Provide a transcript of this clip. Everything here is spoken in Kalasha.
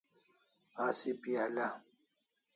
Asi pial'a